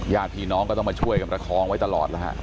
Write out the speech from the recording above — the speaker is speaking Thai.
ญาติพี่น้องก็ต้องมาช่วยกันประคองไว้ตลอดแล้วฮะ